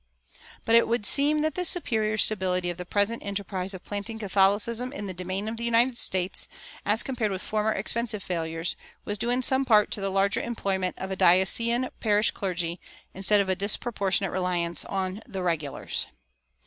But it would seem that the superior stability of the present enterprise of planting Catholicism in the domain of the United States, as compared with former expensive failures, was due in some part to the larger employment of a diocesan parish clergy instead of a disproportionate reliance on the "regulars."